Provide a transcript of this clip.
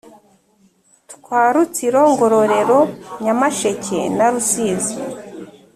twa Rutsiro Ngororero Nyamasheke na Rusizi